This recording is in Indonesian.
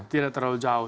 tidak terlalu jauh